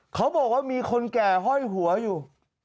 เขาบอกว่ามีคนแก่ห้อยหัวอยู่